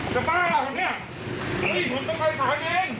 สวัสดีครับ